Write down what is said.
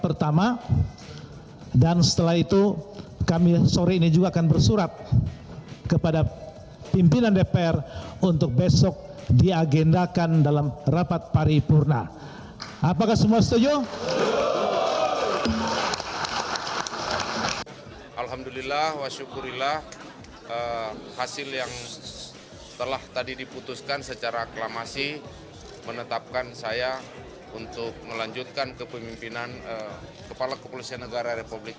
alhamdulillah wasyukurillah hasil yang telah tadi diputuskan secara aklamasi menetapkan saya untuk melanjutkan kepemimpinan kepala kepulsian negara ri